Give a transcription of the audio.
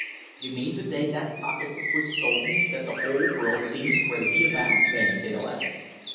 "You mean the day that pocketbook was stolen that the whole world seems crazy about?" Van Teyl asked.